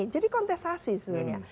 jadi kontestasi sebenarnya